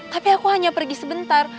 tapi aku hanya pergi sebentar